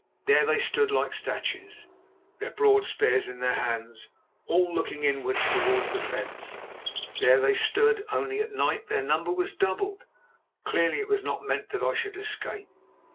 There they stood like statues, their broad spears in their hands, all looking inwards towards the fence. There they stood—only at night their number was doubled. Clearly it was not meant that I should escape.